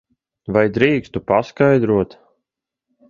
Vai drīkstu paskaidrot?